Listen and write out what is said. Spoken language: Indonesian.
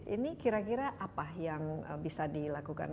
ini kira kira apa yang bisa dilakukan